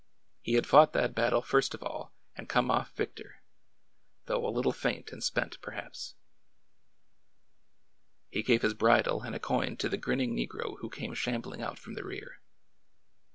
He had fought that battle first of all, and come off victor— though a little faint and spent, perhaps. TRAMP, TRAMP, TRAMP!" 189 He gave his bridle and a coin to the grinning negro who came shambling out from the rear.